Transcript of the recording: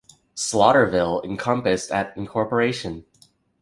Slaughterville encompassed at incorporation.